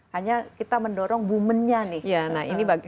hanya kita mendorong woman nya nih